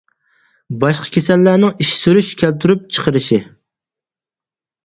باشقا كېسەللەرنىڭ ئىچ سۈرۈش كەلتۈرۈپ چىقىرىشى.